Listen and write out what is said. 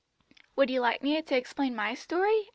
"Would you like me to explain my story?"